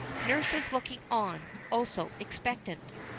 Nurse is looking on, also expectant.